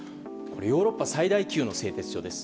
ヨーロッパ最大級の製鉄所です。